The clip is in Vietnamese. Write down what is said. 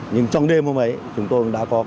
nhưng trong đêm hôm ấy chúng tôi đã có